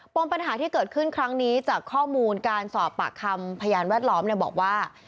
มปัญหาที่เกิดขึ้นครั้งนี้จากข้อมูลการสอบปากคำพยานแวดล้อมบอกว่า